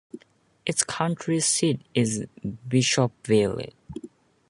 Its county seat is Bishopville.